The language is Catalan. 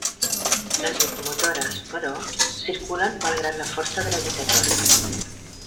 Les locomotores, però, circulen malgrat la força gravitatòria.